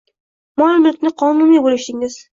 Mol-mulkni qonuniy bo’lishdingiz.